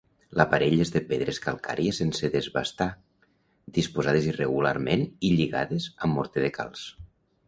L'aparell és de pedres calcàries sense desbastar, disposades irregularment i lligades amb morter de calç.